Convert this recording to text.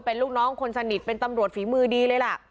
เป็นลูกน้องคนสนิทเป็นตำรวจฝีมือดีเลยล่ะ